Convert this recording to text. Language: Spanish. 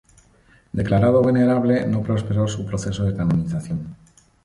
Declarado venerable no prosperó su proceso de canonización.